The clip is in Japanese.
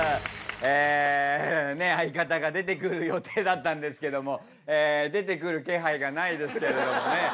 え相方が出てくる予定だったんですけども出てくる気配がないですけれどもね。